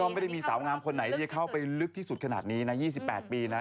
ก็ไม่ได้มีสาวงามใครที่เข้าไปรึ่งที่สุดขนาดนี้นะ๒๘ปีนะ